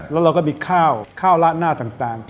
แล้วเราก็มีข้าวข้าวละหน้าต่าง